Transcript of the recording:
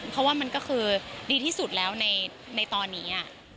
เพราะว่ามันก็คือดีที่สุดแล้วในตอนนี้